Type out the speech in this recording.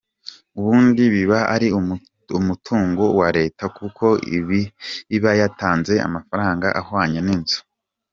Ubundi biba ari umutungo wa leta kuko iba yatanze amafaranga ahwanye n’inzu.